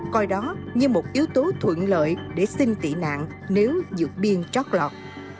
coi đó như một yếu tố thuận lợi để xin tị nạn nếu dược biên trót lọt